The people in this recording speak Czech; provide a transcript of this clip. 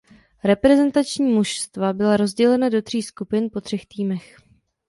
Reprezentační mužstva byla rozdělena do tří skupin po třech týmech.